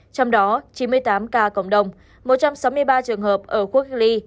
trong đó chín mươi tám ca cộng đồng một trăm sáu mươi ba trường hợp ở quốc hily